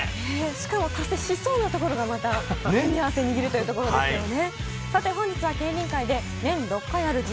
しかも達成しそうなところが、また手に汗握るというところですよね。